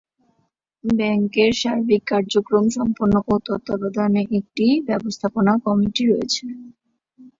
ব্যাংকের সার্বিক কার্যক্রম সম্পন্ন ও তত্বাবধানে একটি ব্যবস্থাপনা কমিটি রয়েছে।